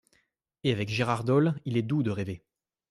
Et avec Gérard Dôle il est doux de rêver.